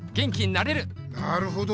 なるほど！